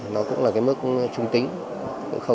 nó cũng là cái mức trung tính